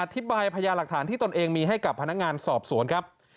พญาหลักฐานที่ตนเองมีให้กับพนักงานสอบสวนครับ